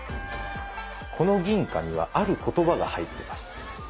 この銀貨にはある言葉が入っています。